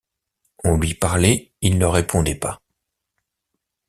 On lui parlait, il ne répondait pas.